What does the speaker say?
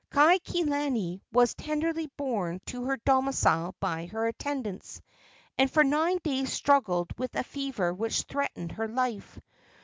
Kaikilani was tenderly borne to her domicile by her attendants, and for nine days struggled with a fever which threatened her life.